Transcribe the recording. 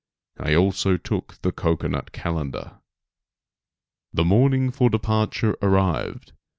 I also took the cocoanut calendar. The morning for departure arrived.